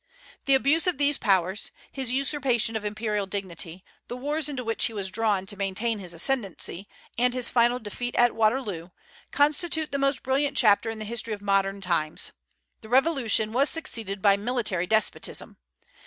The abuse of these powers, his usurpation of imperial dignity, the wars into which he was drawn to maintain his ascendency, and his final defeat at Waterloo, constitute the most brilliant chapter in the history of modern times. The Revolution was succeeded by military despotism.